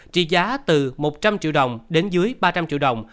trị giá từ một trăm linh triệu đồng đến dưới ba trăm linh triệu đồng